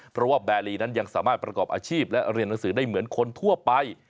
เพราะว่าแบรีนั้นยังสามารถประกอบอาชีพและเรียนหนังสือได้เหมือนคนทั่วไป